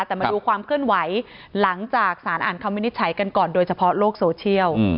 แต่มาดูความเคลื่อนไหวหลังจากสารอ่านคำวินิจฉัยกันก่อนโดยเฉพาะโลกโซเชียล